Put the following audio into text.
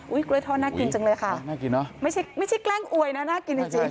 กล้วยทอดน่ากินจังเลยค่ะน่ากินเนอะไม่ใช่ไม่ใช่แกล้งอวยนะน่ากินจริง